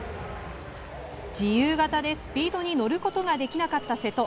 自由形でスピードに乗ることができなかった瀬戸。